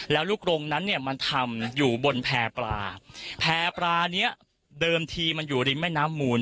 แล้วลูกโรงนั้นเนี่ยมันทำอยู่บนแพร่ปลาแพร่ปลาเนี้ยเดิมทีมันอยู่ริมแม่น้ำมูล